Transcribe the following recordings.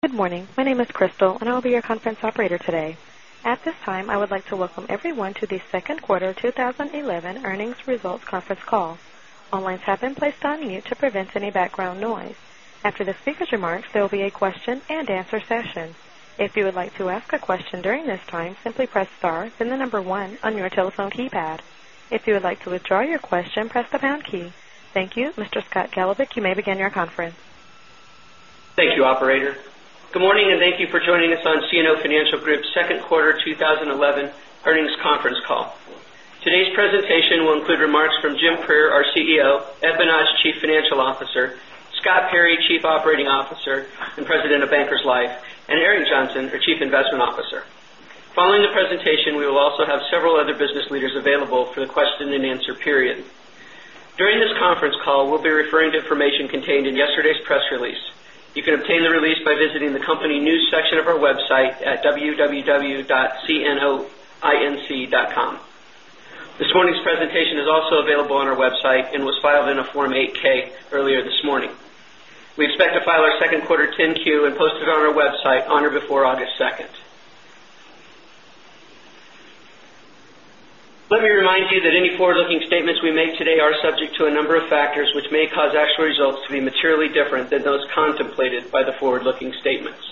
Good morning. My name is Crystal, and I'll be your conference operator today. At this time, I would like to welcome everyone to the second quarter 2011 earnings results conference call. All lines have been placed on mute to prevent any background noise. After the speaker's remarks, there will be a question and answer session. If you would like to ask a question during this time, simply press star, then the number one on your telephone keypad. If you would like to withdraw your question, press the pound key. Thank you. Mr. Scott Goldberg, you may begin your conference. Thank you, operator. Good morning, and thank you for joining us on CNO Financial Group's second quarter 2011 earnings conference call. Today's presentation will include remarks from Jim Prieur, our CEO, Ed Bonach, Chief Financial Officer, Scott Perry, Chief Operating Officer and President of Bankers Life, and Eric Johnson, our Chief Investment Officer. Following the presentation, we will also have several other business leaders available for the question and answer period. During this conference call, we'll be referring to information contained in yesterday's press release. You can obtain the release by visiting the company news section of our website at www.cnoinc.com. This morning's presentation is also available on our website and was filed in a Form 8-K earlier this morning. We expect to file our second quarter 10-Q and post it on our website on or before August 2nd. Let me remind you that any forward-looking statements we make today are subject to a number of factors which may cause actual results to be materially different than those contemplated by the forward-looking statements.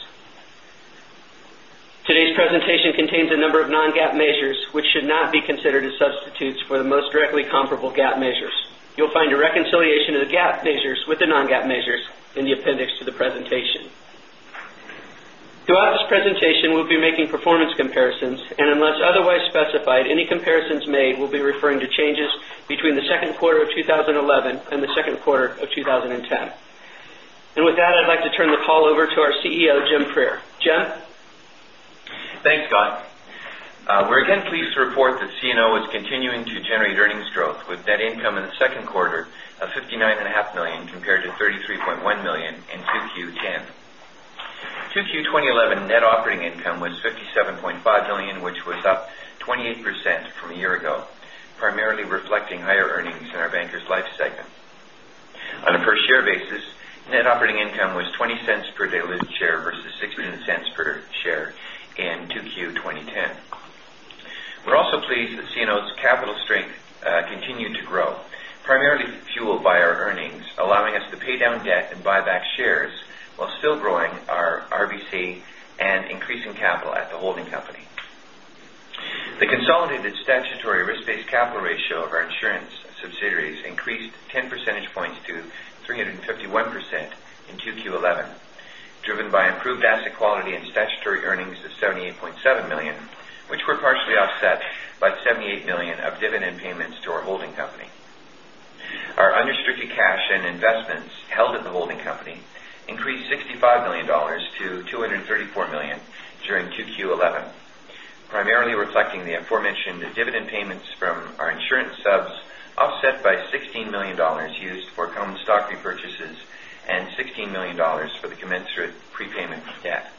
Today's presentation contains a number of non-GAAP measures which should not be considered as substitutes for the most directly comparable GAAP measures. You'll find a reconciliation of the GAAP measures with the non-GAAP measures in the appendix to the presentation. Throughout this presentation, we'll be making performance comparisons, unless otherwise specified, any comparisons made will be referring to changes between the second quarter of 2011 and the second quarter of 2010. With that, I'd like to turn the call over to our CEO, Jim Prieur. Jim? Thanks, Scott. We're again pleased to report that CNO is continuing to generate earnings growth, with net income in the second quarter of $59.5 million compared to $33.1 million in 2Q'10. 2Q 2011 net operating income was $57.5 million, which was up 28% from a year ago, primarily reflecting higher earnings in our Bankers Life segment. On a per share basis, net operating income was $0.20 per diluted share versus $0.16 per share in 2Q 2010. We're also pleased that CNO's capital strength continued to grow, primarily fueled by our earnings, allowing us to pay down debt and buy back shares while still growing our RBC and increasing capital at the holding company. The consolidated statutory risk-based capital ratio of our insurance subsidiaries increased 10 percentage points to 351% in 2Q11, driven by improved asset quality and statutory earnings of $78.7 million, which were partially offset by $78 million of dividend payments to our holding company. Our unrestricted cash and investments held at the holding company increased $65 million to $234 million during 2Q11, primarily reflecting the aforementioned dividend payments from our insurance subs, offset by $16 million used for common stock repurchases and $16 million for the commensurate prepayment of debt.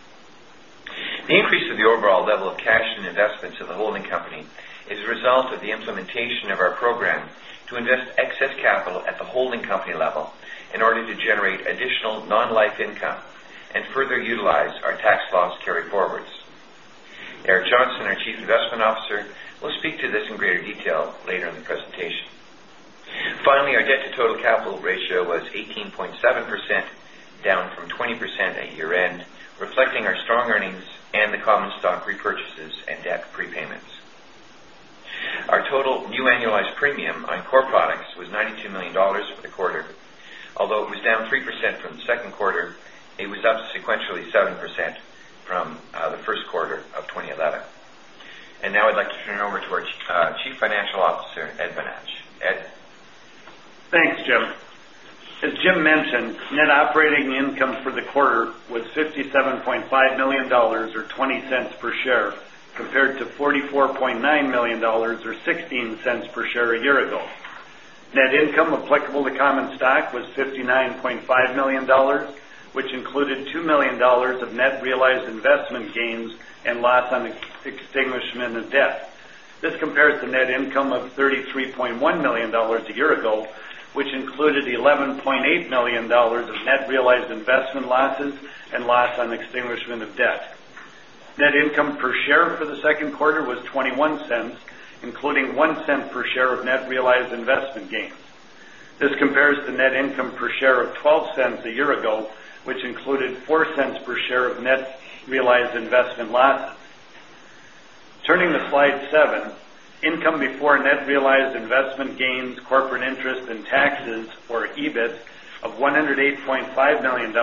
The increase of the overall level of cash and investments of the holding company is a result of the implementation of our program to invest excess capital at the holding company level in order to generate additional non-life income and further utilize our tax loss carryforwards. Eric Johnson, our Chief Investment Officer, will speak to this in greater detail later in the presentation. Our debt to total capital ratio was 18.7%, down from 20% at year-end, reflecting our strong earnings and the common stock repurchases and debt prepayments. Our total new annualized premium on core products was $92 million for the quarter. Although it was down 3% from the second quarter, it was up sequentially 7% from the first quarter of 2011. Now I'd like to turn it over to our Chief Financial Officer, Ed Bonach. Ed? Thanks, Jim. As Jim mentioned, net operating income for the quarter was $57.5 million, or $0.20 per share, compared to $44.9 million or $0.16 per share a year ago. Net income applicable to common stock was $59.5 million, which included $2 million of net realized investment gains and loss on extinguishment of debt. This compares to net income of $33.1 million a year ago, which included $11.8 million of net realized investment losses and loss on extinguishment of debt. Net income per share for the second quarter was $0.21, including $0.01 per share of net realized investment gains. This compares to net income per share of $0.12 a year ago, which included $0.04 per share of net realized investment losses. Turning to slide seven, income before net realized investment gains, corporate interest, and taxes, or EBIT, of $108.5 million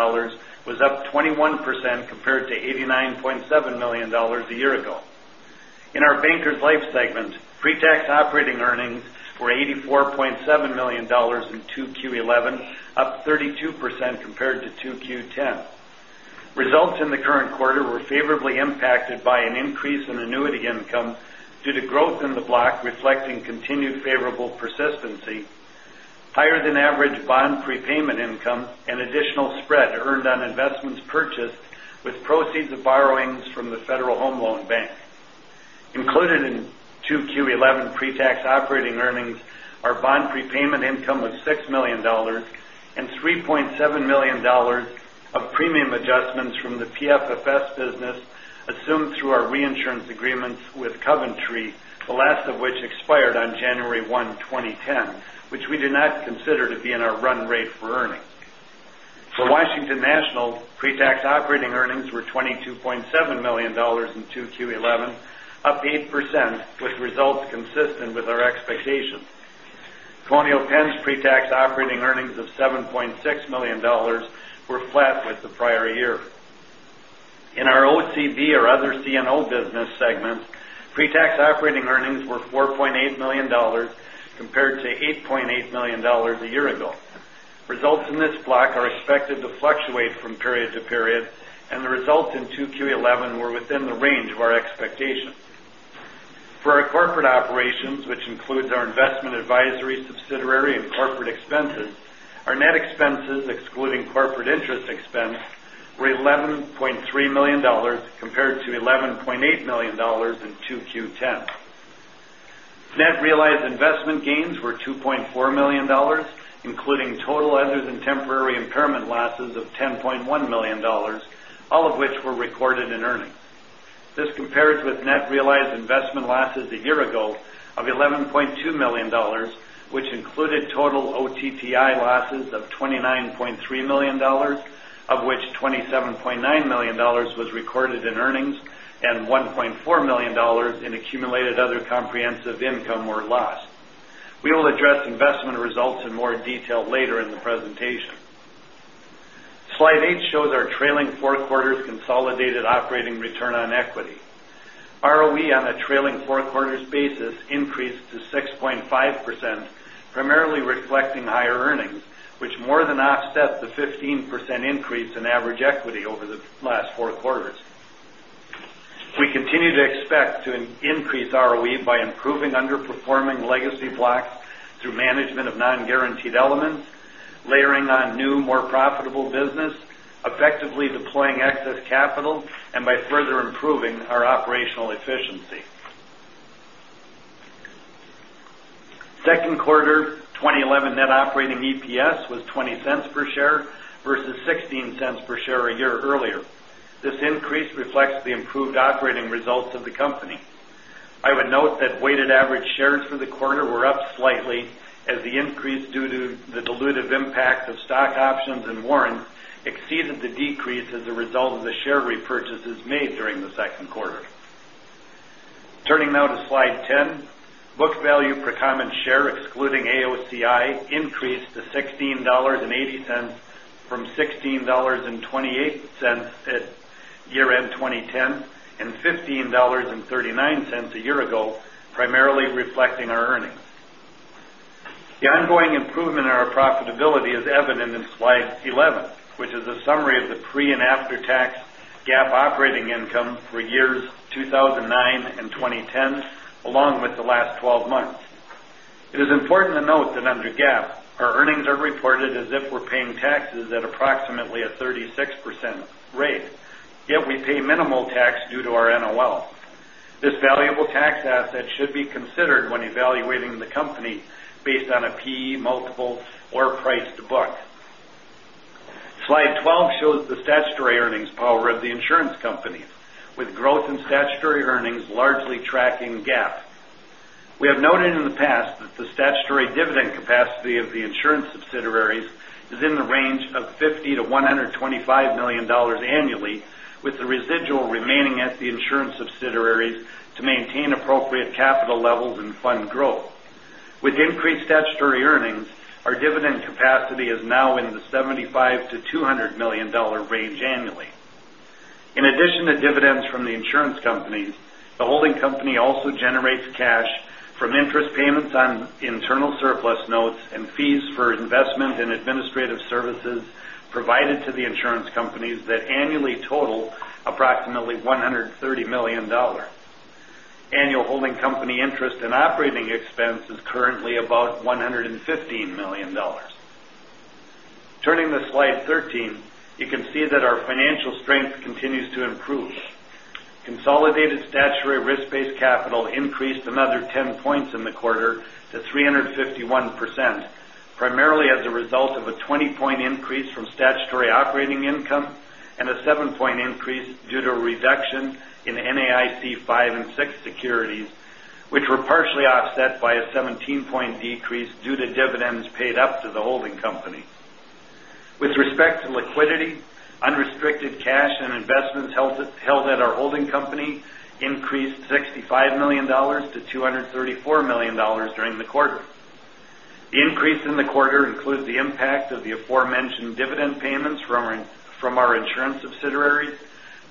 was up 21% compared to $89.7 million a year ago. In our Bankers Life segment, pre-tax operating earnings were $84.7 million in 2Q11, up 32% compared to 2Q10. Results in the current quarter were favorably impacted by an increase in annuity income due to growth in the block reflecting continued favorable persistency, higher than average bond prepayment income, and additional spread earned on investments purchased with proceeds of borrowings from the Federal Home Loan Bank. Included in 2Q11 pre-tax operating earnings are bond prepayment income of $6 million and $3.7 million of premium adjustments from the PFFS business assumed through our reinsurance agreements with Coventry, the last of which expired on January 1, 2010, which we do not consider to be in our run rate for earnings. For Washington National, pre-tax operating earnings were $22.7 million in 2Q11, up 8%, with results consistent with our expectations. Colonial Penn's pre-tax operating earnings of $7.6 million were flat with the prior year. In our OCB, or other CNO business segment, pre-tax operating earnings were $4.8 million compared to $8.8 million a year ago. Results in this block are expected to fluctuate from period to period, and the results in 2Q11 were within the range of our expectations. For our corporate operations, which includes our investment advisory subsidiary and corporate expenses, our net expenses excluding corporate interest expense were $11.3 million compared to $11.8 million in 2Q10. Net realized investment gains were $2.4 million, including total other-than-temporary impairment losses of $10.1 million, all of which were recorded in earnings. This compares with net realized investment losses a year ago of $11.2 million, which included total OTTI losses of $29.3 million, of which $27.9 million was recorded in earnings and $1.4 million in accumulated other comprehensive income or loss. We will address investment results in more detail later in the presentation. Slide eight shows our trailing four quarters consolidated operating return on equity. ROE on a trailing four quarters basis increased to 6.5%, primarily reflecting higher earnings, which more than offset the 15% increase in average equity over the last four quarters. We continue to expect to increase ROE by improving underperforming legacy blocks through management of non-guaranteed elements, layering on new, more profitable business, effectively deploying excess capital, and by further improving our operational efficiency. Second quarter 2011 net operating EPS was $0.20 per share versus $0.16 per share a year earlier. This increase reflects the improved operating results of the company. I would note that weighted average shares for the quarter were up slightly as the increase due to the dilutive impact of stock options and warrants exceeded the decrease as a result of the share repurchases made during the second quarter. Turning now to slide 10, book value per common share, excluding AOCI, increased to $16.80 from $16.28 at year-end 2010 and $15.39 a year ago, primarily reflecting our earnings. The ongoing improvement in our profitability is evident in slide 11, which is a summary of the pre- and after-tax GAAP operating income for years 2009 and 2010, along with the last 12 months. It is important to note that under GAAP, our earnings are reported as if we're paying taxes at approximately a 36% rate, yet we pay minimal tax due to our NOL. This valuable tax asset should be considered when evaluating the company based on a P/E multiple or price to book. Slide 12 shows the statutory earnings power of the insurance companies, with growth in statutory earnings largely tracking GAAP. We have noted in the past that the statutory dividend capacity of the insurance subsidiaries is in the range of $50 million-$125 million annually, with the residual remaining at the insurance subsidiaries to maintain appropriate capital levels and fund growth. With increased statutory earnings, our dividend capacity is now in the $75 million-$200 million range annually. In addition to dividends from the insurance companies, the holding company also generates cash from interest payments on internal surplus notes and fees for investment and administrative services provided to the insurance companies that annually total approximately $130 million. Annual holding company interest and operating expense is currently about $115 million. Turning to slide 13, you can see that our financial strength continues to improve. Consolidated statutory risk-based capital increased another 10 points in the quarter to 351%, primarily as a result of a 20-point increase from statutory operating income and a seven-point increase due to a reduction in NAIC 5 and 6 securities, which were partially offset by a 17-point decrease due to dividends paid up to the holding company. With respect to liquidity, unrestricted cash and investments held at our holding company increased $65 million to $234 million during the quarter. The increase in the quarter includes the impact of the aforementioned dividend payments from our insurance subsidiaries,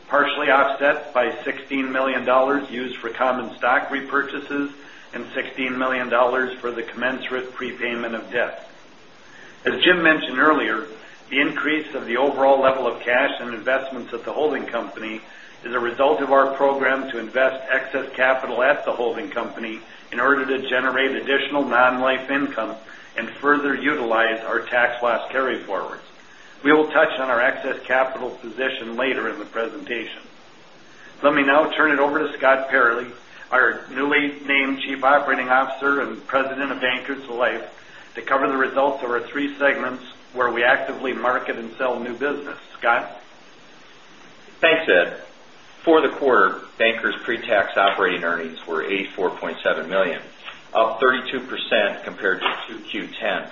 partially offset by $16 million used for common stock repurchases and $16 million for the commensurate prepayment of debt. As Jim mentioned earlier, the increase of the overall level of cash and investments at the holding company is a result of our program to invest excess capital at the holding company in order to generate additional non-life income and further utilize our tax loss carry-forwards. We will touch on our excess capital position later in the presentation. Let me now turn it over to Scott Perry, our newly named Chief Operating Officer and President of Bankers Life, to cover the results of our three segments where we actively market and sell new business. Scott? Thanks, Ed. For the quarter, Bankers pre-tax operating earnings were $84.7 million, up 32% compared to 2Q10.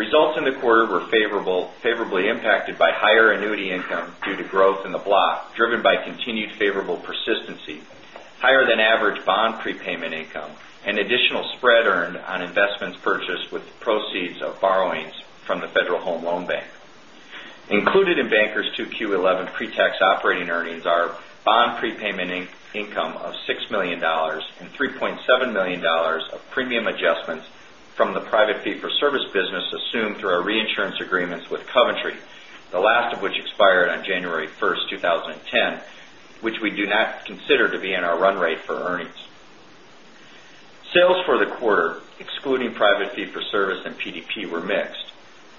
Results in the quarter were favorably impacted by higher annuity income due to growth in the block, driven by continued favorable persistency, higher than average bond prepayment income, and additional spread earned on investments purchased with the proceeds of borrowings from the Federal Home Loan Bank. Included in Bankers' 2Q11 pre-tax operating earnings are bond prepayment income of $6 million and $3.7 million of premium adjustments from the private fee-for-service business assumed through our reinsurance agreements with Coventry, the last of which expired on January 1st, 2010, which we do not consider to be in our run rate for earnings. Sales for the quarter, excluding private fee-for-service and PDP, were mixed.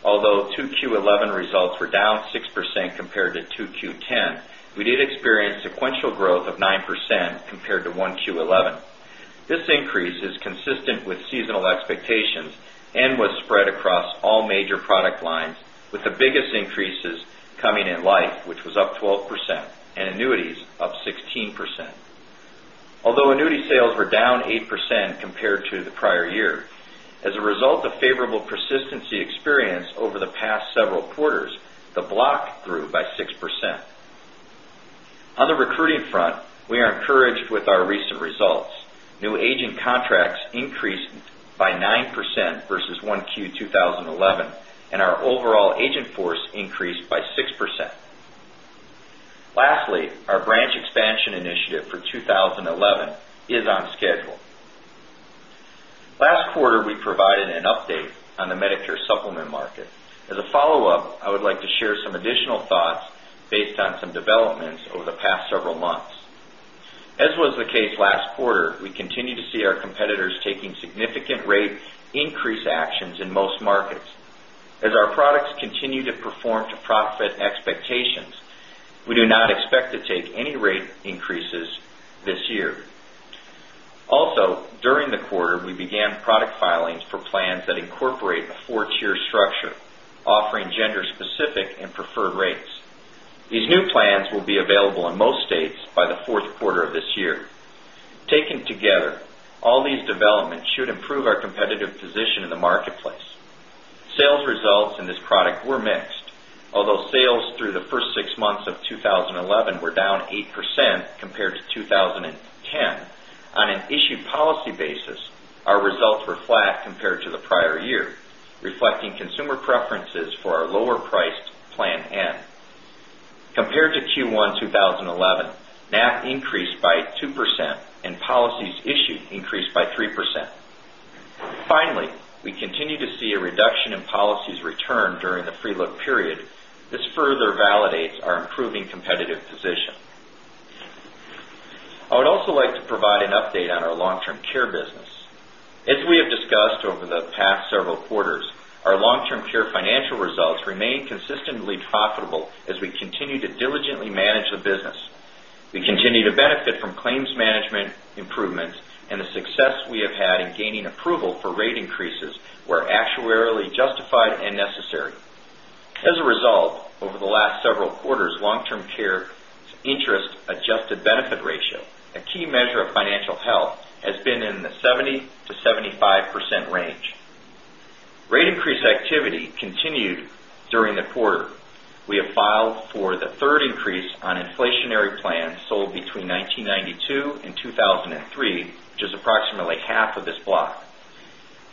Although 2Q11 results were down 6% compared to 2Q10, we did experience sequential growth of 9% compared to 1Q11. This increase is consistent with seasonal expectations and was spread across all major product lines, with the biggest increases coming in life, which was up 12%, and annuities up 16%. Although annuity sales were down 8% compared to the prior year, as a result of favorable persistency experience over the past several quarters, the block grew by 6%. On the recruiting front, we are encouraged with our recent results. New agent contracts increased by 9% versus 1Q2011, and our overall agent force increased by 6%. Lastly, our branch expansion initiative for 2011 is on schedule. Last quarter, we provided an update on the Medicare Supplement market. As a follow-up, I would like to share some additional thoughts based on some developments over the past several months. As was the case last quarter, we continue to see our competitors taking significant rate increase actions in most markets. As our products continue to perform to profit expectations, we do not expect to take any rate increases this year. During the quarter, we began product filings for plans that incorporate a 4-tier structure, offering gender-specific and preferred rates. These new plans will be available in most states by the fourth quarter of this year. Taken together, all these developments should improve our competitive position in the marketplace. Sales results in this product were mixed. Although sales through the first 6 months of 2011 were down 8% compared to 2010, on an issue policy basis, our results were flat compared to the prior year, reflecting consumer preferences for our lower-priced Plan N. Compared to Q1 2011, MAP increased by 2% and policies issued increased by 3%. Finally, we continue to see a reduction in policies returned during the free look period. This further validates our improving competitive position. I would also like to provide an update on our long-term care business. As we have discussed over the past several quarters, our long-term care financial results remain consistently profitable as we continue to diligently manage the business. We continue to benefit from claims management improvements and the success we have had in gaining approval for rate increases were actuarially justified and necessary. As a result, over the last several quarters, long-term care's interest-adjusted benefit ratio, a key measure of financial health, has been in the 70%-75% range. Rate increase activity continued during the quarter. We have filed for the third increase on inflationary plans sold between 1992 and 2003, which is approximately half of this block.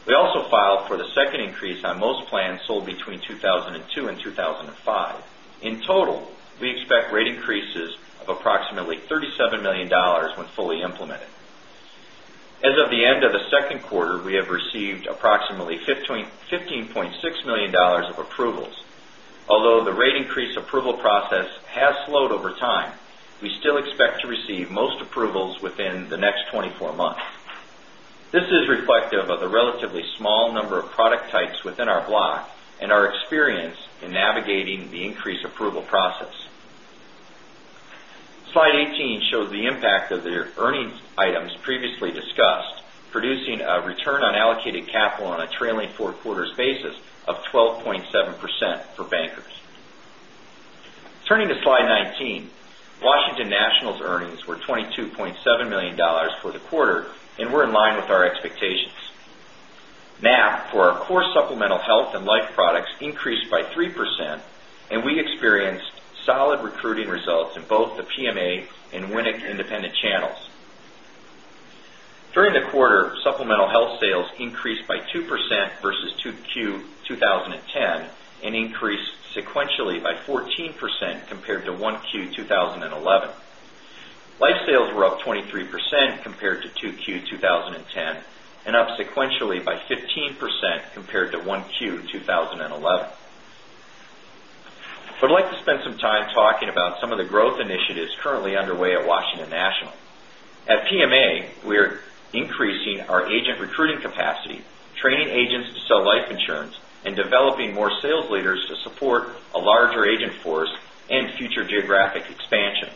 We also filed for the second increase on most plans sold between 2002 and 2005. In total, we expect rate increases of approximately $37 million when fully implemented. As of the end of the second quarter, we have received approximately $15.6 million of approvals. Although the rate increase approval process has slowed over time, we still expect to receive most approvals within the next 24 months. This is reflective of the relatively small number of product types within our block and our experience in navigating the increase approval process. Slide 18 shows the impact of the earnings items previously discussed, producing a return on allocated capital on a trailing 4 quarters basis of 12.7% for Bankers. Turning to slide 19, Washington National's earnings were $22.7 million for the quarter and were in line with our expectations. MAP for our core supplemental health and life products increased by 3%, and we experienced solid recruiting results in both the PMA and WNIC independent channels. During the quarter, supplemental health sales increased by 2% versus 2Q 2010 and increased sequentially by 14% compared to 1Q 2011. Life sales were up 23% compared to 2Q 2010 and up sequentially by 15% compared to 1Q 2011. Growth initiatives currently underway at Washington National. At PMA, we are increasing our agent recruiting capacity, training agents to sell life insurance, and developing more sales leaders to support a larger agent force and future geographic expansion.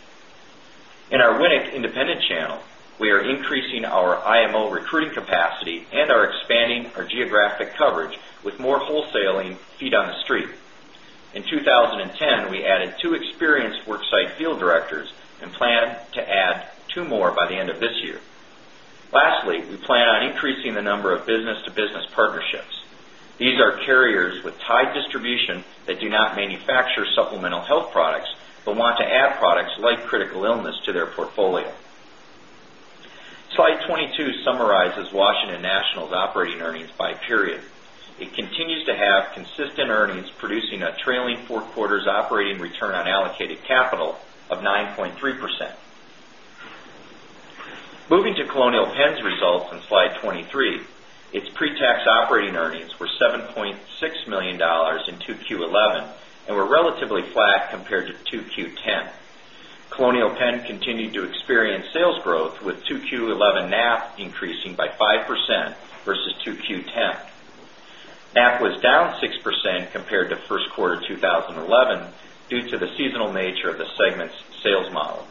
In our WNIC independent channel, we are increasing our IMO recruiting capacity and are expanding our geographic coverage with more wholesaling feet on the street. In 2010, we added 2 experienced worksite field directors and plan to add 2 more by the end of this year. Lastly, we plan on increasing the number of business-to-business partnerships. These are carriers with tied distribution that do not manufacture supplemental health products, but want to add products like critical illness to their portfolio. Slide 22 summarizes Washington National's operating earnings by period. It continues to have consistent earnings, producing a trailing four quarters operating return on allocated capital of 9.3%. Moving to Colonial Penn's results on slide 23, its pre-tax operating earnings were $7.6 million in Q2 2011, and were relatively flat compared to Q2 2010. Colonial Penn continued to experience sales growth with Q2 2011 NAP increasing by 5% versus Q2 2010. NAP was down 6% compared to first quarter 2011 due to the seasonal nature of the segment's sales model.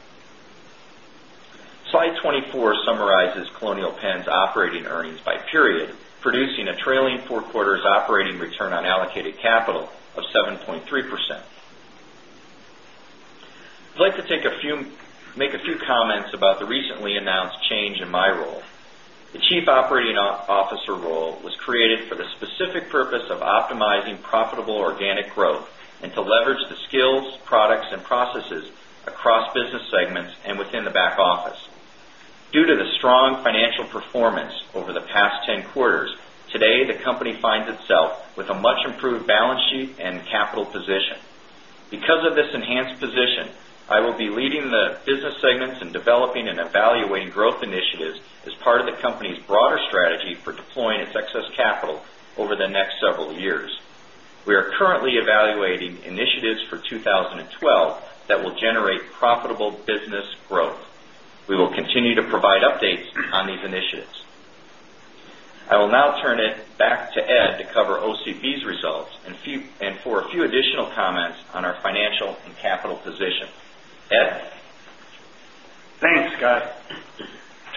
Slide 24 summarizes Colonial Penn's operating earnings by period, producing a trailing four quarters operating return on allocated capital of 7.3%. I'd like to make a few comments about the recently announced change in my role. The chief operating officer role was created for the specific purpose of optimizing profitable organic growth and to leverage the skills, products, and processes across business segments and within the back office. Due to the strong financial performance over the past 10 quarters, today the company finds itself with a much-improved balance sheet and capital position. Because of this enhanced position, I will be leading the business segments in developing and evaluating growth initiatives as part of the company's broader strategy for deploying its excess capital over the next several years. We are currently evaluating initiatives for 2012 that will generate profitable business growth. We will continue to provide updates on these initiatives. I will now turn it back to Ed to cover OCB's results and for a few additional comments on our financial and capital position. Ed? Thanks, Scott.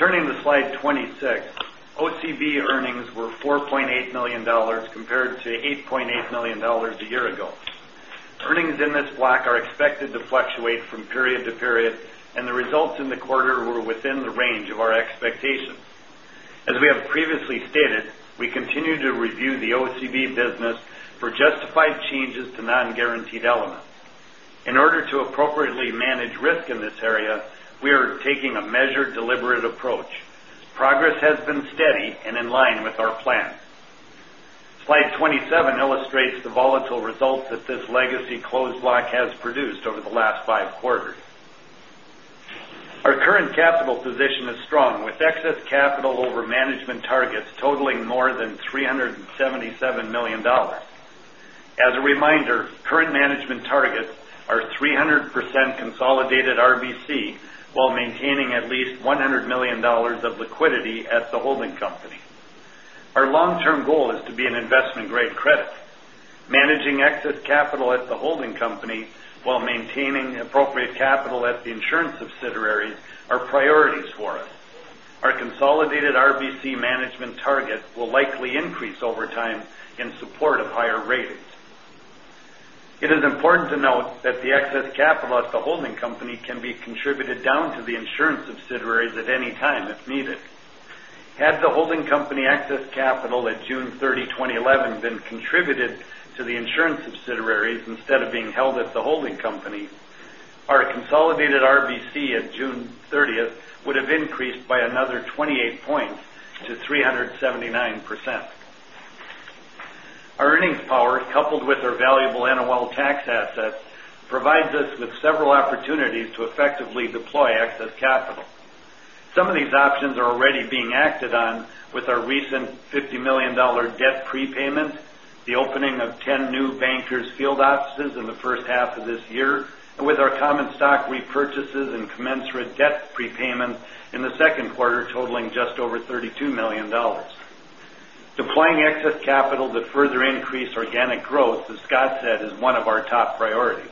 Turning to slide 26, OCB earnings were $4.8 million compared to $8.8 million a year ago. Earnings in this block are expected to fluctuate from period to period, and the results in the quarter were within the range of our expectations. As we have previously stated, we continue to review the OCB business for justified changes to non-guaranteed elements. In order to appropriately manage risk in this area, we are taking a measured, deliberate approach. Progress has been steady and in line with our plan. Slide 27 illustrates the volatile results that this legacy closed block has produced over the last five quarters. Our current capital position is strong, with excess capital over management targets totaling more than $377 million. As a reminder, current management targets are 300% consolidated RBC while maintaining at least $100 million of liquidity at the holding company. Our long-term goal is to be an investment-grade credit. Managing excess capital at the holding company while maintaining appropriate capital at the insurance subsidiaries are priorities for us. Our consolidated RBC management target will likely increase over time in support of higher ratings. It is important to note that the excess capital at the holding company can be contributed down to the insurance subsidiaries at any time if needed. Had the holding company excess capital at June 30, 2011, been contributed to the insurance subsidiaries instead of being held at the holding company, our consolidated RBC at June 30th would have increased by another 28 points to 379%. Our earnings power, coupled with our valuable NOL tax asset, provides us with several opportunities to effectively deploy excess capital. Some of these options are already being acted on with our recent $50 million debt prepayment, the opening of 10 new Bankers' field offices in the first half of this year, and with our common stock repurchases and commensurate debt prepayment in the second quarter totaling just over $32 million. Deploying excess capital to further increase organic growth, as Scott said, is one of our top priorities.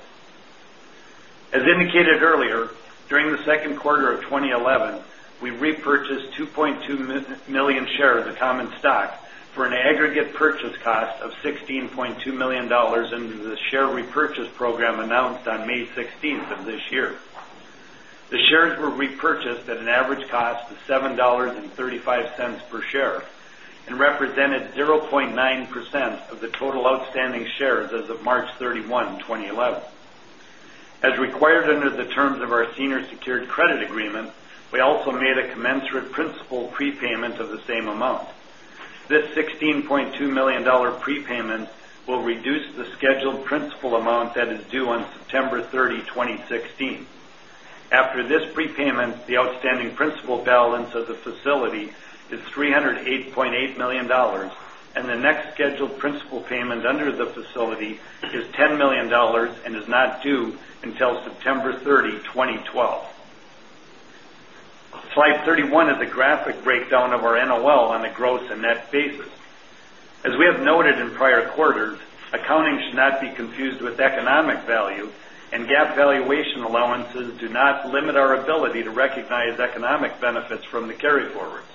As indicated earlier, during the second quarter of 2011, we repurchased 2.2 million shares of common stock for an aggregate purchase cost of $16.2 million under the share repurchase program announced on May 16th of this year. The shares were repurchased at an average cost of $7.35 per share and represented 0.9% of the total outstanding shares as of March 31, 2011. As required under the terms of our senior secured credit agreement, we also made a commensurate principal prepayment of the same amount. This $16.2 million prepayment will reduce the scheduled principal amount that is due on September 30, 2016. After this prepayment, the outstanding principal balance of the facility is $308.8 million, and the next scheduled principal payment under the facility is $10 million and is not due until September 30, 2012. Slide 31 is a graphic breakdown of our NOL on a gross and net basis. As we have noted in prior quarters, accounting should not be confused with economic value, and GAAP valuation allowances do not limit our ability to recognize economic benefits from the carryforwards.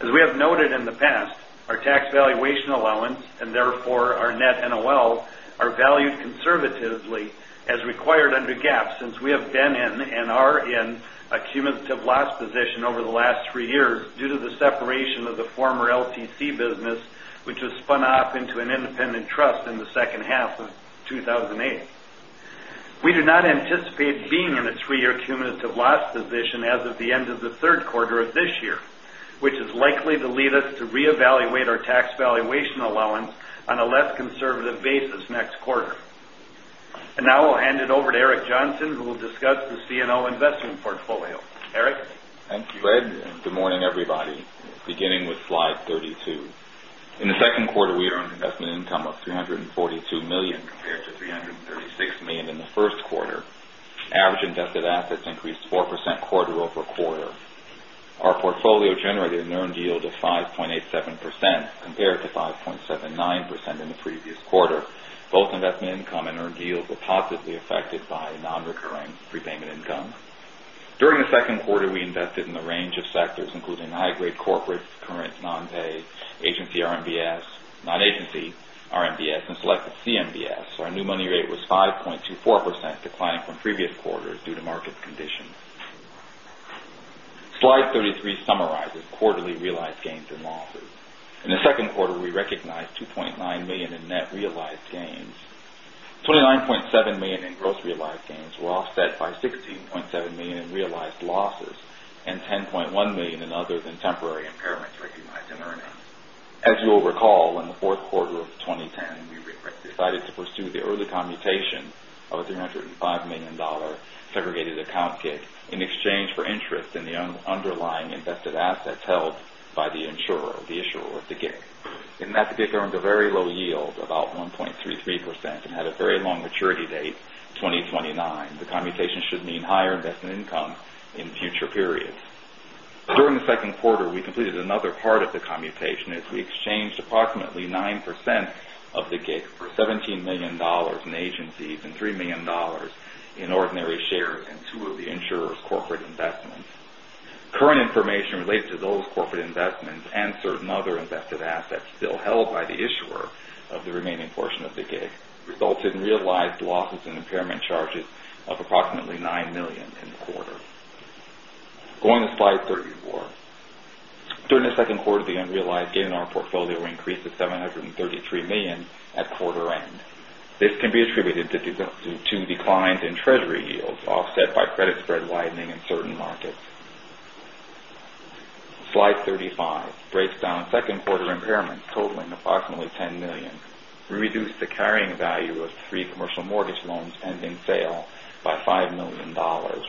As we have noted in the past, our tax valuation allowance, and therefore our net NOL, are valued conservatively as required under GAAP, since we have been in and are in a cumulative loss position over the last three years due to the separation of the former LTC business, which was spun off into an independent trust in the second half of 2008. We do not anticipate being in a three-year cumulative loss position as of the end of the third quarter of this year, which is likely to lead us to reevaluate our tax valuation allowance on a less conservative basis next quarter. Now I'll hand it over to Eric Johnson, who will discuss the CNO investment portfolio. Eric? Thank you, Ed. Good morning, everybody. Beginning with Slide 32. In the second quarter, we earned investment income of $342 million compared to $336 million in the first quarter. Average invested assets increased 4% quarter-over-quarter. Our portfolio generated an earned yield of 5.87% compared to 5.79% in the previous quarter. Both investment income and earned yields were positively affected by non-recurring prepayment income. During the second quarter, we invested in a range of sectors, including high-grade corporate, current non-pay, agency RMBS, non-agency RMBS, and selected CMBS. Our new money rate was 5.24%, declining from previous quarters due to market conditions. Slide 33 summarizes quarterly realized gains and losses. In the second quarter, we recognized $2.9 million in net realized gains. $29.7 million in gross realized gains were offset by $16.7 million in realized losses and $10.1 million in other than temporary impairments recognized in earnings. As you'll recall, in the fourth quarter of 2010, we decided to pursue the early commutation of a $305 million segregated account GIC in exchange for interest in the underlying invested assets held by the insurer or the issuer of the GIC. That GIC earned a very low yield, about 1.33%, and had a very long maturity date, 2029. The commutation should mean higher investment income in future periods. During the second quarter, we completed another part of the commutation as we exchanged approximately 9% of the GIC for $17 million in agencies and $3 million in ordinary shares in two of the insurer's corporate investments. Current information related to those corporate investments and certain other invested assets still held by the issuer of the remaining portion of the GIC resulted in realized losses and impairment charges of approximately $9 million in the quarter. Going to slide 34. During the second quarter, the unrealized gain in our portfolio increased to $733 million at quarter end. This can be attributed to declines in Treasury yields, offset by credit spread widening in certain markets. Slide 35 breaks down second-quarter impairments totaling approximately $10 million. We reduced the carrying value of three commercial mortgage loans pending sale by $5 million,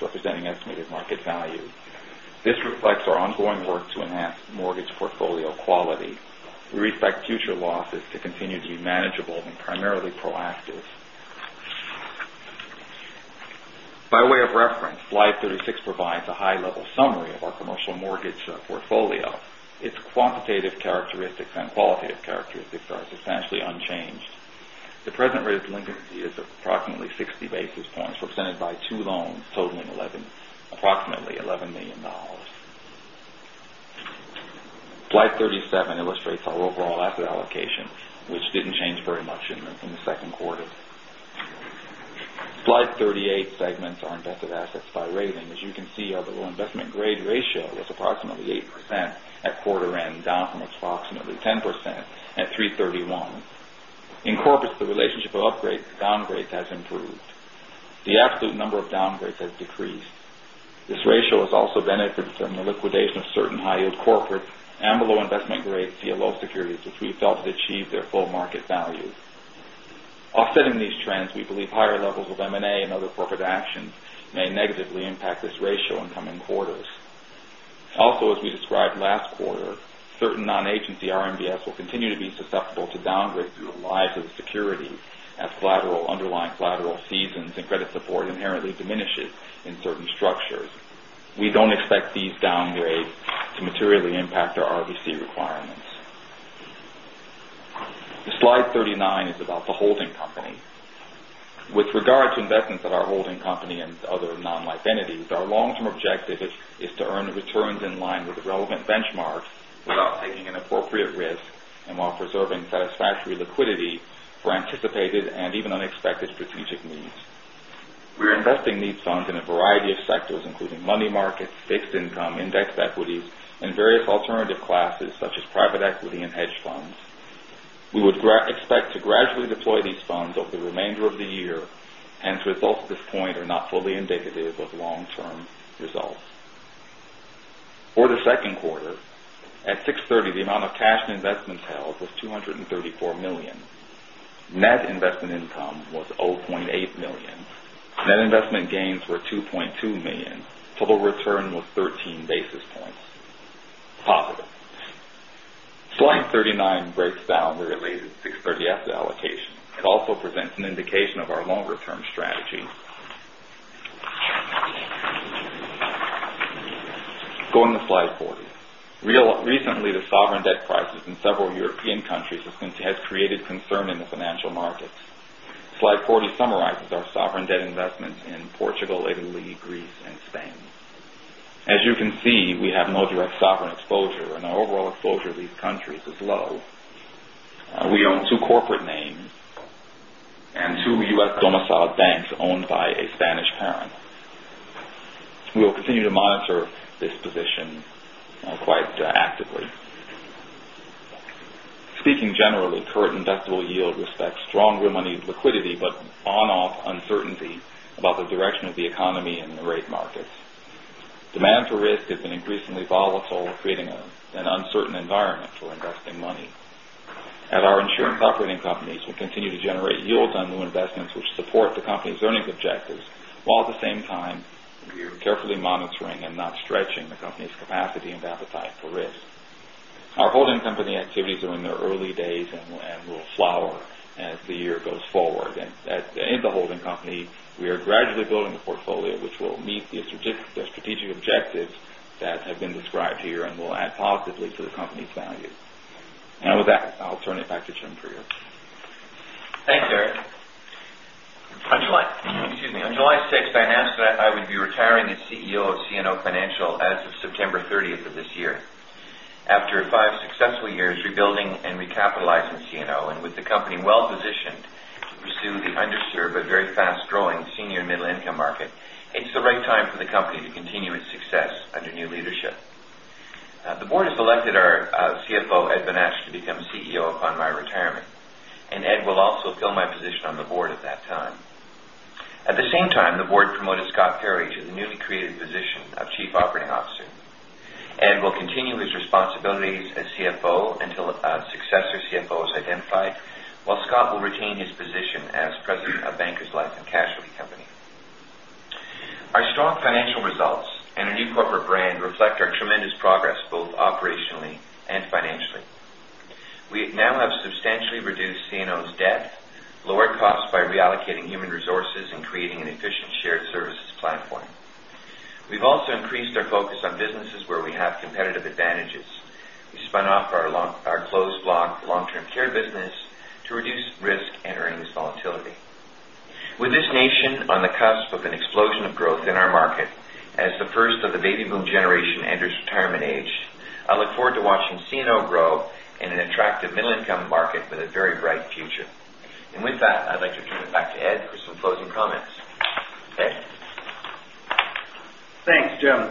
representing estimated market value. This reflects our ongoing work to enhance mortgage portfolio quality. We expect future losses to continue to be manageable and primarily proactive. By way of reference, slide 36 provides a high-level summary of our commercial mortgage portfolio. Its quantitative characteristics and qualitative characteristics are substantially unchanged. The present rate of delinquency is approximately 60 basis points, represented by two loans totaling approximately $11 million. Slide 37 illustrates our overall asset allocation, which didn't change very much in the second quarter. Slide 38 segments our invested assets by rating. As you can see, our below investment-grade ratio was approximately 8% at quarter end, down from approximately 10% at 3/31. In corporates, the relationship of upgrade to downgrade has improved. The absolute number of downgrades has decreased. This ratio has also benefited from the liquidation of certain high-yield corporate and below investment-grade CLO securities, which we felt achieved their full market value. Offsetting these trends, we believe higher levels of M&A and other corporate actions may negatively impact this ratio in coming quarters. Also, as we described last quarter, certain non-agency RMBS will continue to be susceptible to downgrades through the life of the security as collateral, underlying collateral seasons and credit support inherently diminishes in certain structures. We don't expect these downgrades to materially impact our RBC requirements. Slide 39 is about the holding company. With regard to investments at our holding company and other non-life entities, our long-term objective is to earn returns in line with the relevant benchmarks without taking an appropriate risk and while preserving satisfactory liquidity for anticipated and even unexpected strategic needs. We're investing these funds in a variety of sectors, including money markets, fixed income, index equities, and various alternative classes such as private equity and hedge funds. We would expect to gradually deploy these funds over the remainder of the year. Hence, results at this point are not fully indicative of long-term results. For the second quarter, at 6/30, the amount of cash and investments held was $234 million. Net investment income was $0.8 million. Net investment gains were $2.2 million. Total return was 13 basis points, positive. Slide 39 breaks down the related 6/30 asset allocation. It also presents an indication of our longer-term strategy. Going to slide 40. Recently, the sovereign debt crisis in several European countries has created concern in the financial markets. Slide 40 summarizes our sovereign debt investments in Portugal, Italy, Greece, and Spain. As you can see, we have no direct sovereign exposure, and our overall exposure to these countries is low. We own two corporate names and two U.S. domiciled banks owned by a Spanish parent. We will continue to monitor this position quite actively. Speaking generally, current investable yields reflect strong money liquidity, on-off uncertainty about the direction of the economy and the rate markets. Demand for risk has been increasingly volatile, creating an uncertain environment for investing money. At our insurance operating companies, we continue to generate yields on new investments which support the company's earnings objectives, while at the same time we are carefully monitoring and not stretching the company's capacity and appetite for risk. Our holding company activities are in their early days and will flower as the year goes forward. In the holding company, we are gradually building a portfolio which will meet the strategic objectives that have been described here and will add positively to the company's value. With that, I'll turn it back to Jim Prieur. Thanks, Eric. On July 6th, I announced that I would be retiring as CEO of CNO Financial as of September 30th of this year. After five successful years rebuilding and recapitalizing CNO, and with the company well-positioned to pursue the underserved but very fast-growing senior middle-income market, it's the right time for the company to continue its success under new leadership. The board has elected our CFO, Ed Bonach, to become CEO upon my retirement, and Ed will also fill my position on the board at that time. At the same time, the board promoted Scott Perry to the newly created position of chief operating officer. Ed will continue his responsibilities as CFO until a successor CFO is identified, while Scott will retain his position as president of Bankers Life and Casualty Company. Our strong financial results and our new corporate brand reflect our tremendous progress, both operationally and financially. We now have substantially reduced CNO's debt, lowered costs by reallocating human resources, and creating an efficient shared services platform. We've also increased our focus on businesses where we have competitive advantages. We spun off our closed block long-term care business to reduce risk and earnings volatility. With this nation on the cusp of an explosion of growth in our market as the first of the baby boom generation enters retirement age, I look forward to watching CNO grow in an attractive middle-income market with a very bright future. With that, I'd like to turn it back to Ed for some closing comments. Ed? Thanks, Jim.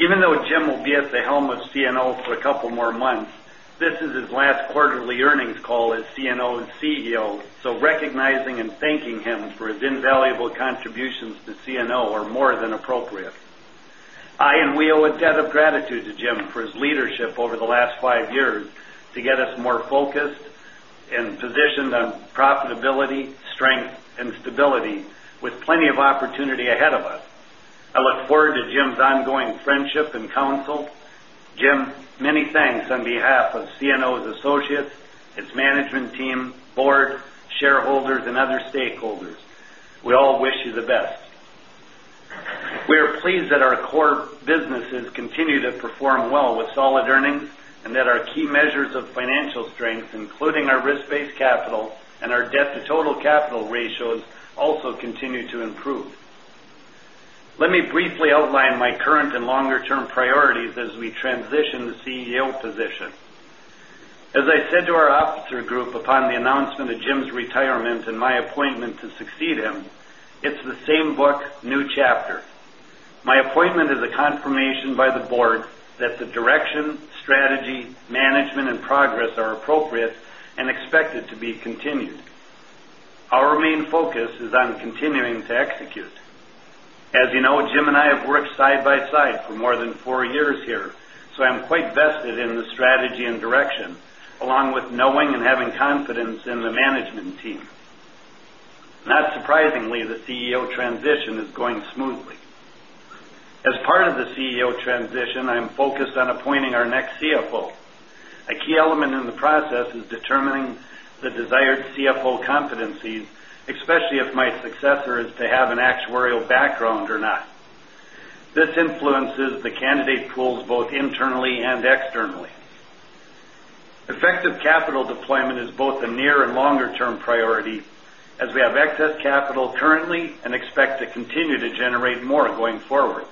Even though Jim will be at the helm of CNO for a couple more months, this is his last quarterly earnings call as CNO's CEO. Recognizing and thanking him for his invaluable contributions to CNO are more than appropriate. I and we owe a debt of gratitude to Jim for his leadership over the last five years to get us more focused and positioned on profitability, strength, and stability with plenty of opportunity ahead of us. I look forward to Jim's ongoing friendship and counsel. Jim, many thanks on behalf of CNO's associates, its management team, board, shareholders, and other stakeholders. We all wish you the best. We are pleased that our core businesses continue to perform well with solid earnings, and that our key measures of financial strength, including our risk-based capital and our debt to total capital ratios, also continue to improve. Let me briefly outline my current and longer-term priorities as we transition the CEO position. As I said to our officer group upon the announcement of Jim's retirement and my appointment to succeed him, it's the same book, new chapter. My appointment is a confirmation by the board that the direction, strategy, management, and progress are appropriate and expected to be continued. Our main focus is on continuing to execute. As you know, Jim and I have worked side by side for more than four years here, I'm quite vested in the strategy and direction, along with knowing and having confidence in the management team. Not surprisingly, the CEO transition is going smoothly. As part of the CEO transition, I am focused on appointing our next CFO. A key element in the process is determining the desired CFO competencies, especially if my successor is to have an actuarial background or not. This influences the candidate pools, both internally and externally. Effective capital deployment is both a near and longer-term priority, as we have excess capital currently and expect to continue to generate more going forward.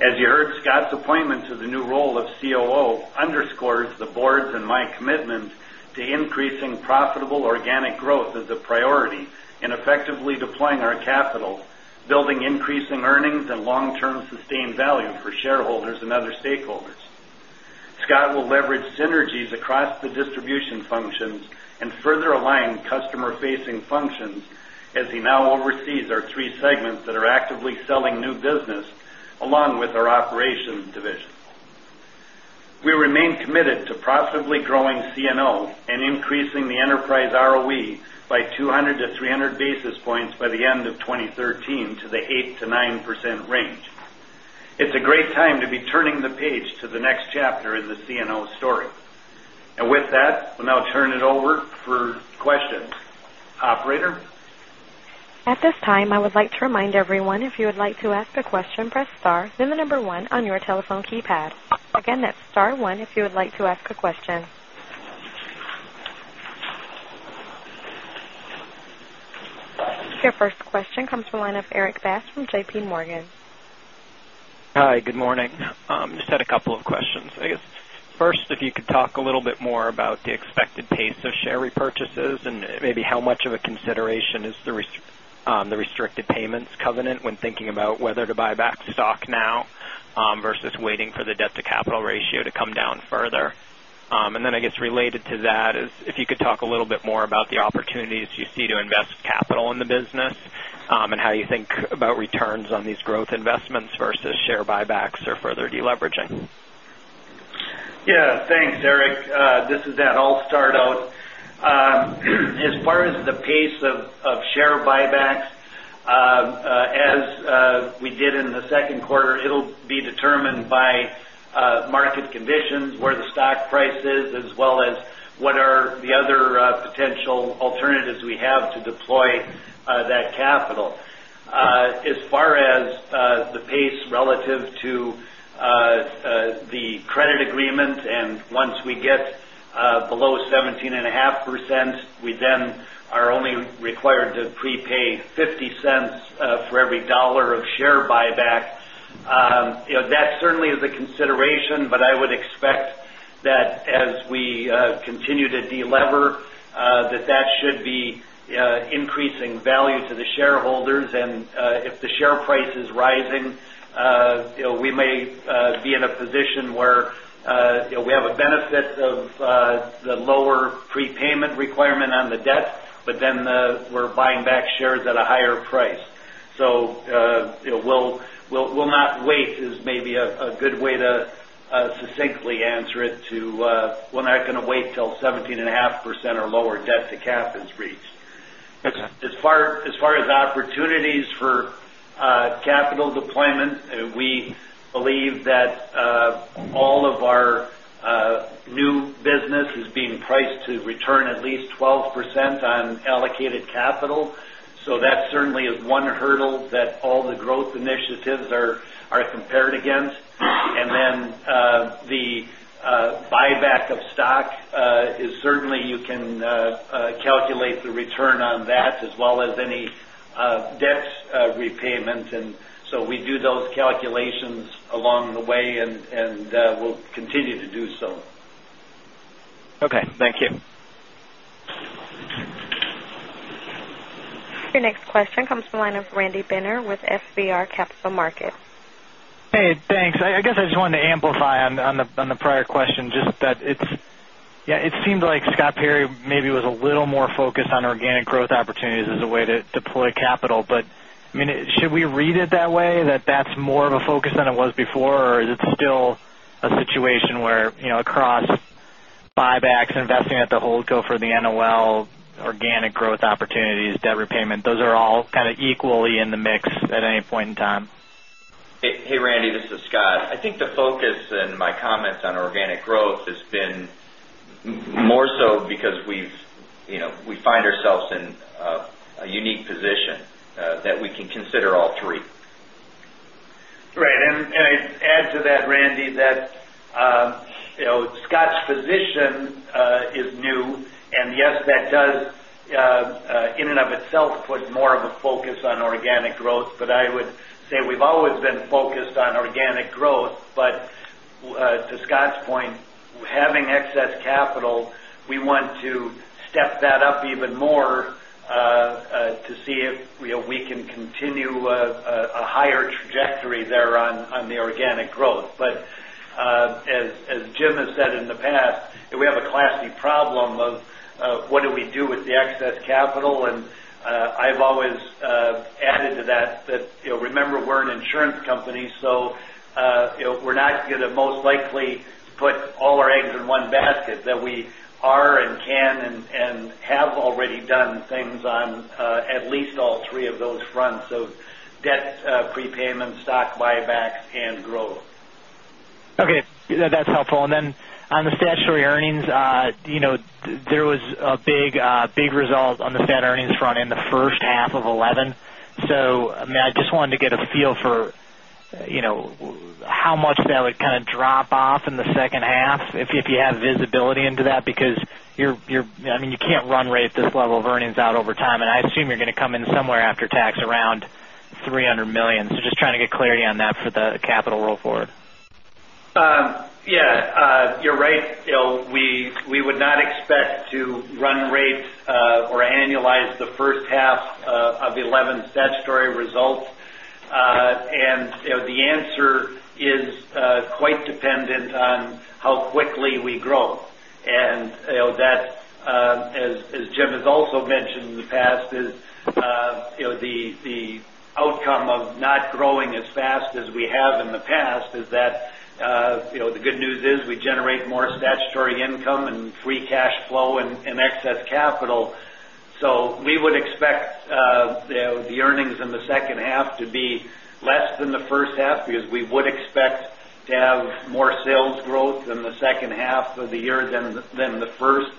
As you heard, Scott's appointment to the new role of COO underscores the board's and my commitment to increasing profitable organic growth as a priority in effectively deploying our capital, building increasing earnings, and long-term sustained value for shareholders and other stakeholders. Scott will leverage synergies across the distribution functions and further align customer-facing functions as he now oversees our three segments that are actively selling new business, along with our operations division. We remain committed to profitably growing CNO and increasing the enterprise ROE by 200 to 300 basis points by the end of 2013 to the 8%-9% range. It's a great time to be turning the page to the next chapter in the CNO story. With that, we'll now turn it over for questions. Operator? At this time, I would like to remind everyone, if you would like to ask a question, press star then the number 1 on your telephone keypad. Again, that's star 1 if you would like to ask a question. Your first question comes from the line of Erik Bass from J.P. Morgan. Hi. Good morning. Just had a couple of questions. I guess, first, if you could talk a little bit more about the expected pace of share repurchases and maybe how much of a consideration is the restricted payments covenant when thinking about whether to buy back stock now versus waiting for the debt-to-capital ratio to come down further. I guess related to that is if you could talk a little bit more about the opportunities you see to invest capital in the business and how you think about returns on these growth investments versus share buybacks or further deleveraging. Yeah. Thanks, Erik. This is Ed. I'll start out. As far as the pace of share buybacks, as we did in the second quarter, it'll be determined by market conditions, where the stock price is, as well as what are the other potential alternatives we have to deploy that capital. As far as the pace relative to the credit agreement, once we get below 17.5%, we then are only required to prepay $0.50 for every $1 of share buyback. That certainly is a consideration, I would expect that as we continue to delever, that should be increasing value to the shareholders. If the share price is rising, we may be in a position where we have a benefit of the lower prepayment requirement on the debt, we're buying back shares at a higher price. We'll not wait is maybe a good way to succinctly answer it to, we're not going to wait till 17.5% or lower debt-to-capital is reached. Okay. As far as opportunities for capital deployment, we believe that all of our new business is being priced to return at least 12% on allocated capital. That certainly is one hurdle that all the growth initiatives are compared against. The buyback of stock is certainly you can calculate the return on that as well as any debt repayment. We do those calculations along the way, and we'll continue to do so. Okay. Thank you. Your next question comes from the line of Randy Binner with FBR Capital Markets. Hey, thanks. I guess I just wanted to amplify on the prior question just that it's Yeah, it seemed like Scott Perry maybe was a little more focused on organic growth opportunities as a way to deploy capital. Should we read it that way, that that's more of a focus than it was before? Is it still a situation where across buybacks, investing at the holdco for the NOL, organic growth opportunities, debt repayment, those are all kind of equally in the mix at any point in time? Hey, Randy. This is Scott. I think the focus in my comments on organic growth has been more so because we find ourselves in a unique position that we can consider all three. Right. I'd add to that, Randy, that Scott's position is new, and yes, that does in and of itself put more of a focus on organic growth. I would say we've always been focused on organic growth. To Scott's point, having excess capital, we want to step that up even more to see if we can continue a higher trajectory there on the organic growth. As Jim has said in the past, we have a classy problem of what do we do with the excess capital, and I've always added to that, remember, we're an insurance company, we're not going to most likely put all our eggs in one basket. That we are and can and have already done things on at least all three of those fronts. Debt prepayment, stock buybacks, and growth. Okay. That's helpful. On the statutory earnings, there was a big result on the stat earnings front in the first half of 2011. I just wanted to get a feel for how much that would kind of drop off in the second half, if you have visibility into that, because you can't run rate this level of earnings out over time, and I assume you're going to come in somewhere after tax around $300 million. Just trying to get clarity on that for the capital roll-forward. Yeah. You're right. We would not expect to run rates or annualize the first half of 2011 statutory results. The answer is quite dependent on how quickly we grow. As Jim has also mentioned in the past is, the outcome of not growing as fast as we have in the past is that the good news is we generate more statutory income and free cash flow and excess capital. We would expect the earnings in the second half to be less than the first half, because we would expect to have more sales growth in the second half of the year than the first.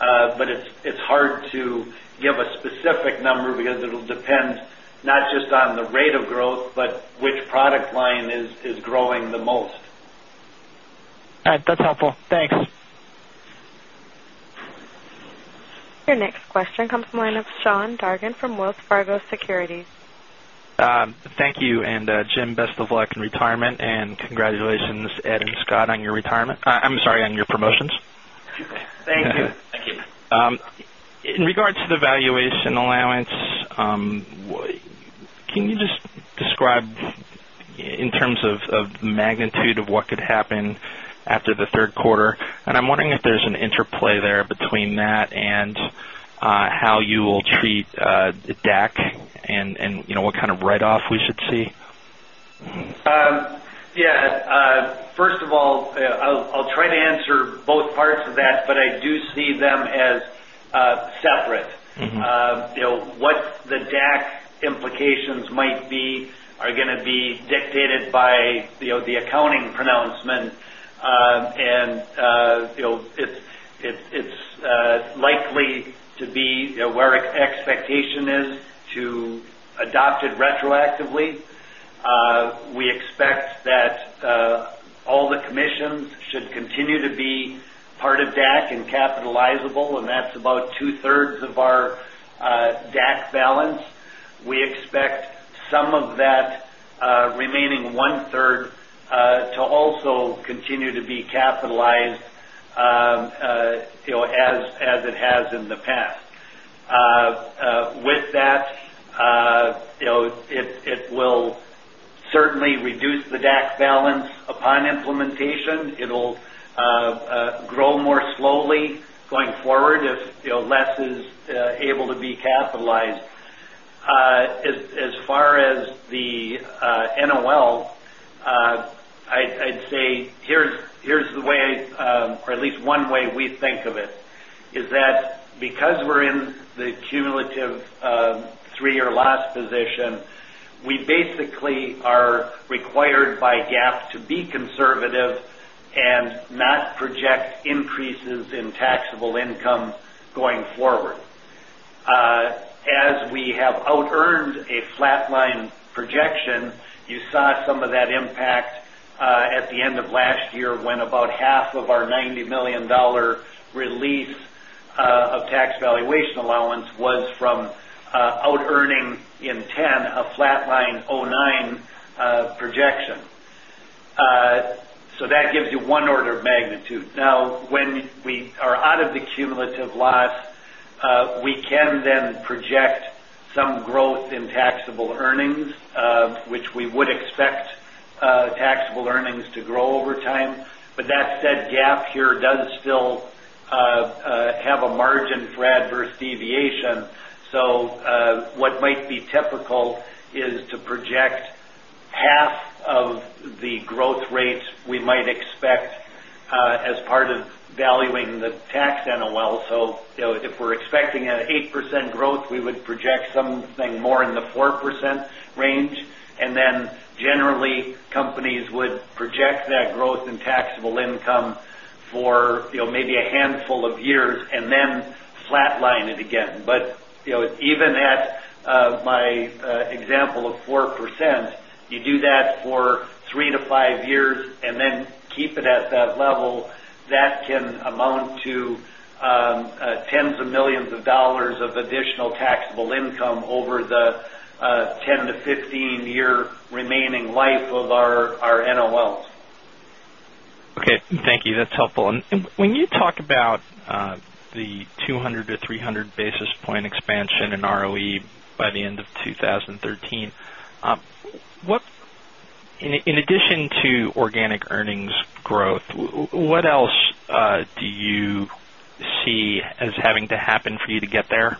It's hard to give a specific number because it'll depend not just on the rate of growth, but which product line is growing the most. All right. That's helpful. Thanks. Your next question comes from the line of Sean Dargan from Wells Fargo Securities. Thank you. Jim, best of luck in retirement. Congratulations, Ed and Scott, on your retirement. I'm sorry, on your promotions. Thank you. Thank you. In regards to the valuation allowance, can you just describe in terms of magnitude of what could happen after the third quarter? I'm wondering if there's an interplay there between that and how you will treat DAC and what kind of write-off we should see. Yeah. First of all, I'll try to answer both parts of that, but I do see them as separate. What the DAC implications might be are going to be dictated by the accounting pronouncement. It's likely to be where expectation is to adopt it retroactively. We expect that all the commissions should continue to be part of DAC and capitalizable, and that's about two-thirds of our DAC balance. We expect some of that remaining one-third to also continue to be capitalized as it has in the past. With that, it will certainly reduce the DAC balance upon implementation. It'll grow more slowly going forward if less is able to be capitalized. As far as the NOL, I'd say here's the way or at least one way we think of it, is that because we're in the cumulative three-year loss position, we basically are required by GAAP to be conservative and not project increases in taxable income going forward. As we have outearned a flatline projection, you saw some of that impact at the end of last year when about half of our $90 million release of tax valuation allowance was from outearning in 2010, a flatline 2009 projection. That gives you one order of magnitude. When we are out of the cumulative loss, we can then project some growth in taxable earnings, which we would expect taxable earnings to grow over time. That said, GAAP here does still have a margin for adverse deviation. What might be typical is to project half of the growth rates we might expect as part of valuing the tax NOL. If we're expecting an 8% growth, we would project something more in the 4% range. Generally, companies would project that growth in taxable income for maybe a handful of years and then flatline it again. Even at my example of 4%, you do that for three to five years and then keep it at that level. That can amount to tens of millions of dollars of additional taxable income over the 10 to 15-year remaining life of our NOLs. Okay. Thank you. That's helpful. When you talk about the 200-300 basis point expansion in ROE by the end of 2013, in addition to organic earnings growth, what else do you see as having to happen for you to get there?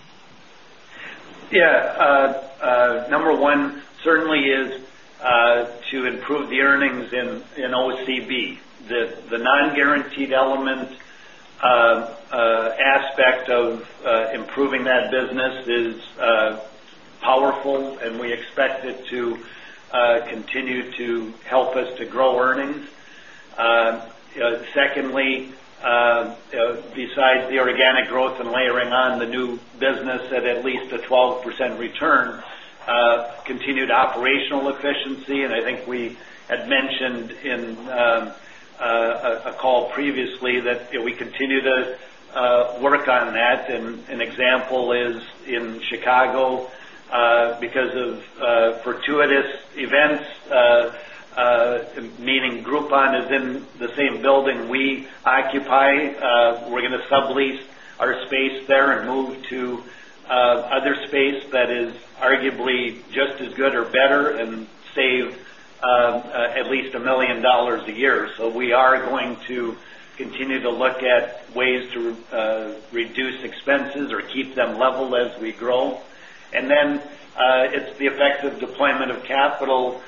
Yeah. Number 1 certainly is to improve the earnings in OCB. The non-guaranteed element aspect of improving that business is powerful, and we expect it to continue to help us to grow earnings. Secondly, besides the organic growth and layering on the new business at least a 12% return, continued operational efficiency, and I think we had mentioned in a call previously that we continue to work on that. An example is in Chicago, because of fortuitous events Meaning Groupon is in the same building we occupy. We're going to sublease our space there and move to other space that is arguably just as good or better and save at least $1 million a year. We are going to continue to look at ways to reduce expenses or keep them level as we grow. It's the effective deployment of capital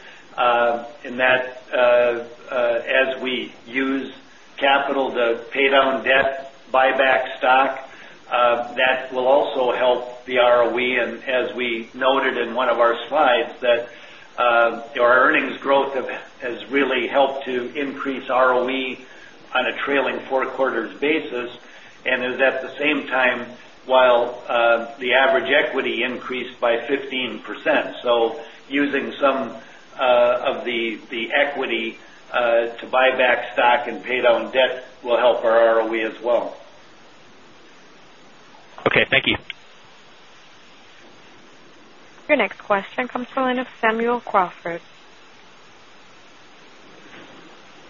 in that as we use capital to pay down debt, buy back stock, that will also help the ROE. As we noted in one of our slides, our earnings growth has really helped to increase ROE on a trailing four quarters basis, and is at the same time while the average equity increased by 15%. Using some of the equity to buy back stock and pay down debt will help our ROE as well. Okay, thank you. Your next question comes from the line of Samuel Crawford.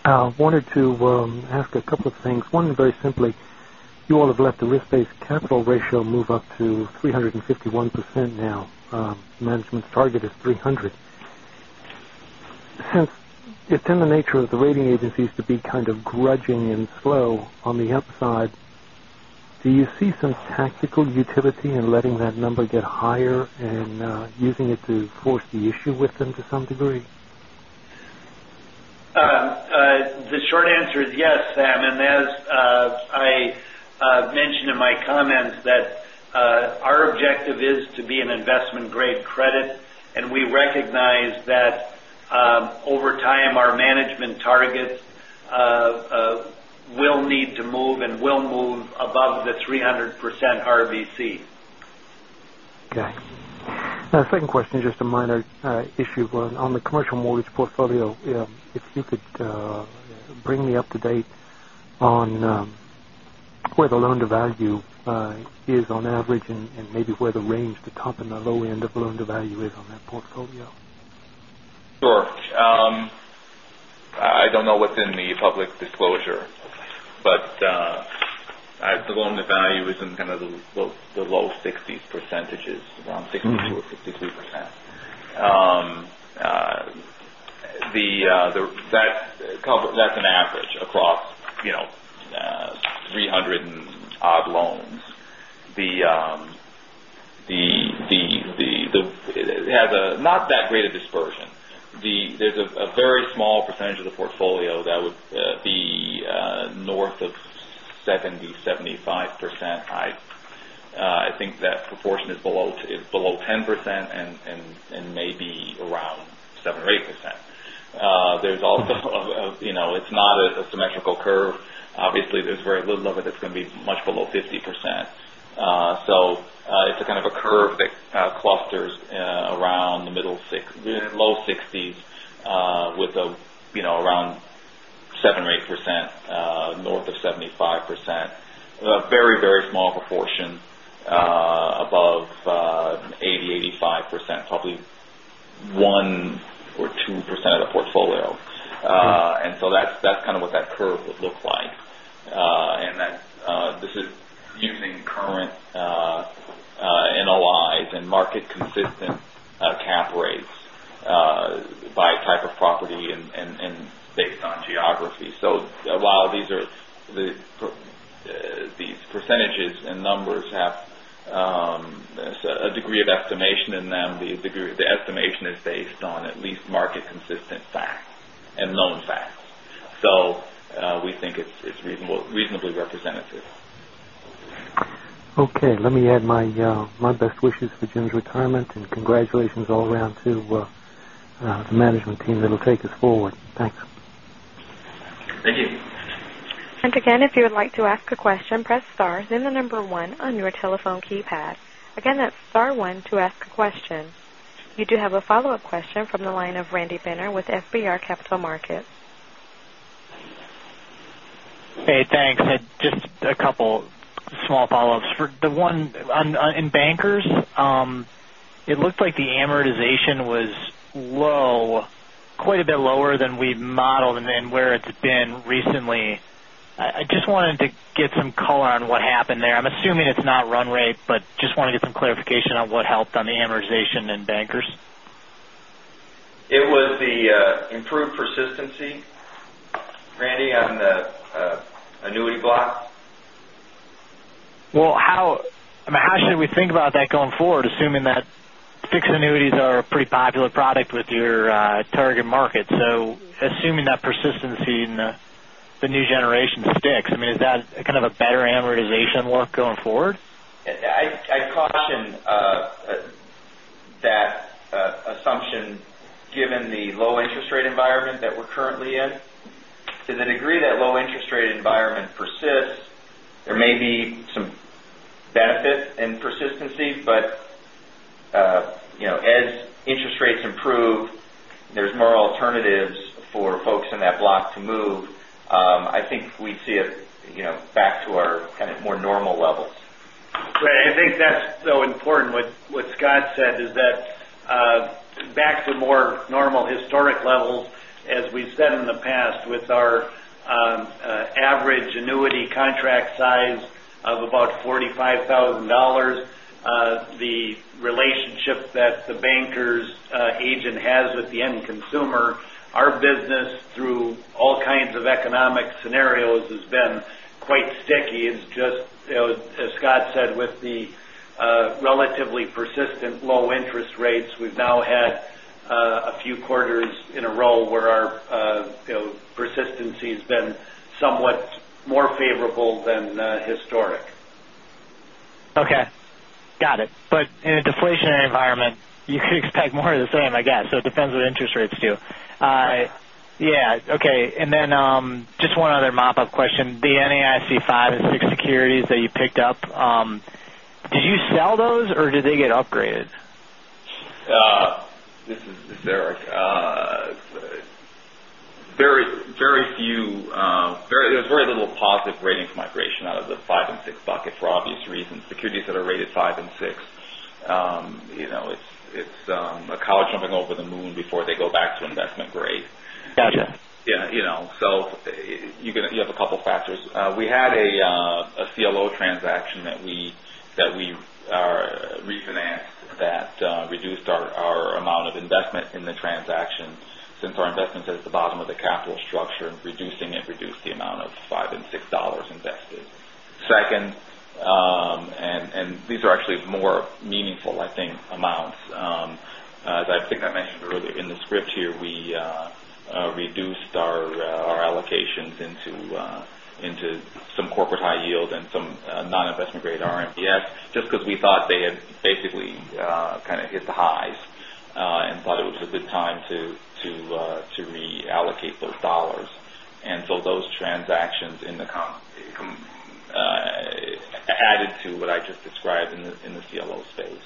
I wanted to ask a couple of things. One, very simply, you all have let the risk-based capital ratio move up to 351% now. Management's target is 300. Since it's in the nature of the rating agencies to be kind of grudging and slow on the upside, do you see some tactical utility in letting that number get higher and using it to force the issue with them to some degree? As I mentioned in my comments that our objective is to be an investment-grade credit, we recognize that over time, our management targets will need to move and will move above the 300% RBC. Okay. Second question is just a minor issue. On the commercial mortgage portfolio, if you could bring me up to date on where the loan-to-value is on average and maybe where the range, the top and the low end of loan-to-value is on that portfolio. Sure. I don't know what's in the public disclosure, the loan-to-value is in kind of the low 60s%, around 62% or 63%. That's an average across 300-odd loans. It has not that great a dispersion. There's a very small % of the portfolio that would be north of 70%-75%. I think that proportion is below 10% and maybe around 7% or 8%. It's not a symmetrical curve. Obviously, there's very little of it that's going to be much below 50%. It's a kind of a curve that clusters around the low 60s with around 7% or 8% north of 75%. A very, very small proportion above 80%-85%, probably 1% or 2% of the portfolio. That's kind of what that curve would look like. This is using current NOIs and market consistent cap rates by type of property and based on geography. While these % and numbers have a degree of estimation in them, the estimation is based on at least market consistent facts and known facts. We think it's reasonably representative. Okay, let me add my best wishes for Jim's retirement and congratulations all around to the management team that'll take us forward. Thanks. Thank you. Again, if you would like to ask a question, press star then the number 1 on your telephone keypad. Again, that's star one to ask a question. You do have a follow-up question from the line of Randy Binner with FBR Capital Markets. Hey, thanks. Just a couple small follow-ups. For the one in Bankers Life, it looked like the amortization was low, quite a bit lower than we've modeled and then where it's been recently. I just wanted to get some color on what happened there. I'm assuming it's not run rate, but just want to get some clarification on what helped on the amortization in Bankers Life. It was the improved persistency, Randy, on the annuity block. How should we think about that going forward, assuming that fixed annuities are a pretty popular product with your target market? Assuming that persistency in the new generation sticks, I mean, is that kind of a better amortization work going forward? I'd caution that assumption given the low interest rate environment that we're currently in. To the degree that low interest rate environment persists, there may be some benefit in persistency. As interest rates improve, there's more alternatives for folks in that block to move. I think we see it back to our kind of more normal levels. Great. I think that's so important what Scott said is that back to more normal historic levels, as we've said in the past with our average annuity contract size of about $45,000, the relationship that the Bankers Life's agent has with the end consumer, our business through all kinds of economic scenarios has been quite sticky, is just as Scott said, with the relatively persistent low interest rates. We've now had a few quarters in a row where our persistency has been somewhat more favorable than historic. Okay. Got it. In a deflationary environment, you could expect more of the same, I guess. It depends what interest rates do. Right. Yeah. Okay. Then just one other mop-up question. The NAIC five and six securities that you picked up, did you sell those or did they get upgraded? This is Eric. There's very little positive ratings migration out of the 5 and 6 bucket for obvious reasons. Securities that are rated 5 and 6, it's a cow jumping over the moon before they go back to investment grade. Got you. Yeah. You have a couple factors. We had a CLO transaction that we refinanced that reduced our amount of investment in the transaction since our investment's at the bottom of the capital structure, reducing it reduced the amount of 5 and 6 dollars invested. Second, these are actually more meaningful, I think, amounts. As I think I mentioned earlier in the script here, we reduced our allocations into some corporate high yield and some non-investment grade RMBS just because we thought they had basically hit the highs, and thought it was a good time to reallocate those dollars. So those transactions added to what I just described in the CLO space,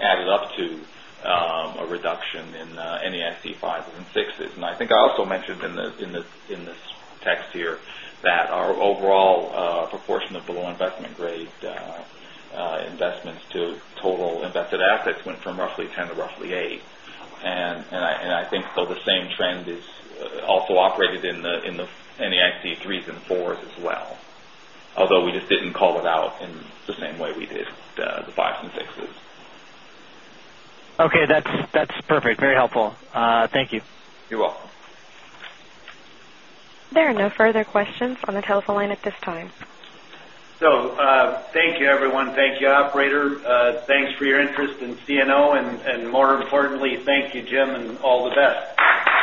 added up to a reduction in NAIC 5s and 6s. I think I also mentioned in this text here that our overall proportion of below investment grade investments to total invested assets went from roughly 10 to roughly 8. I think the same trend is also operated in the NAIC 3s and 4s as well. Although we just didn't call it out in the same way we did the 5s and 6s. Okay. That's perfect. Very helpful. Thank you. You're welcome. There are no further questions on the telephone line at this time. Thank you everyone. Thank you, operator. Thanks for your interest in CNO and more importantly, thank you, Jim, and all the best.